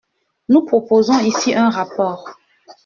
Nous proposons ici un rapport.